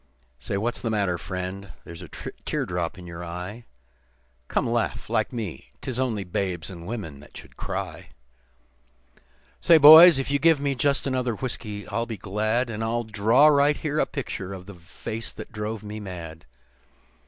Why, what's the matter, friend? There's a tear drop in you eye, Come, laugh like me. 'Tis only babes and women that should cry. "Say, boys, if you give me just another whiskey I'll be glad, And I'll draw right here a picture of the face that drove me mad.